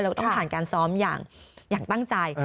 เราต้องผ่านการซ้อมอย่างตั้งใจ